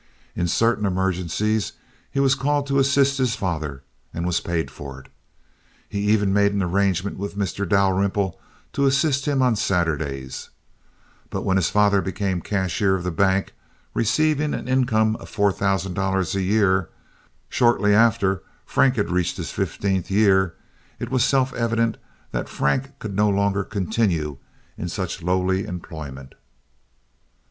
In certain emergencies he was called to assist his father, and was paid for it. He even made an arrangement with Mr. Dalrymple to assist him on Saturdays; but when his father became cashier of his bank, receiving an income of four thousand dollars a year, shortly after Frank had reached his fifteenth year, it was self evident that Frank could no longer continue in such lowly employment.